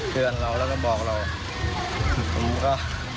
เตือนเราแล้วก็บอกเราผมก็